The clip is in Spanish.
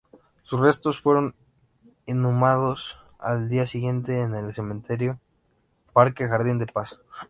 Sus restos fueron inhumados al día siguiente en el cementerio parque Jardín de Paz.